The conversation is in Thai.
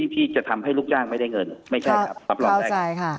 ที่จะทำให้ลูกจ้างไม่ได้เงินไม่ใช่ครับรับรองได้